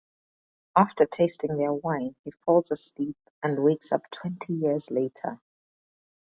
After tasting their wine, he falls asleep and wakes up twenty years later.